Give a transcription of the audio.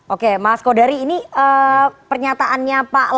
oke mas kodari ini pernyataannya pak lanyala memberikan asas